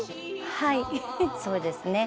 はいそうですね。